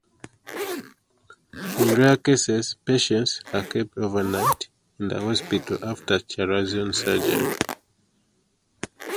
In rare cases, patients are kept overnight in the hospital after chalazion surgery.